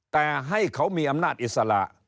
แต่ให้เขามีอำนาจอิสระ